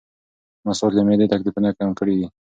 مسواک د معدې تکلیفونه کم کړي دي.